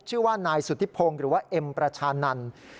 ชื่อว่านายสุธิพงศ์หรือว่าเอ็มประชานันต์